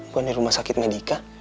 bukan di rumah sakit medica